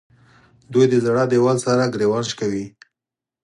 دوی د ژړا دیوال سره ګریوان شکوي.